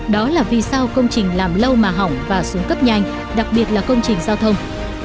đó là vì sao công trình làm lâu mà hỏng và xuống cấp nhanh đặc biệt là công trình giao thông